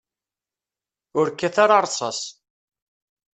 Ur kkat ara ṛṛṣaṣ!